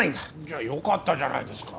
じゃあよかったじゃないですか。